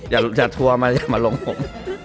อย่าจัดทัวร์มาลงผม